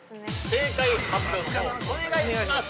◆正解発表のほうをお願いします！